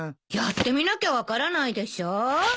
やってみなきゃ分からないでしょ。